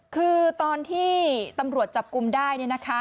คือตอนที่ตำรวจจับกลุ่มได้